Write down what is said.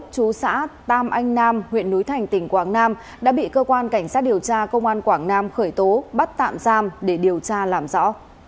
chú xã tam anh nam huyện núi thành tỉnh quảng nam đã bị cơ quan cảnh sát điều tra công an quảng nam khởi tố bắt tạm giam để điều tra làm rõ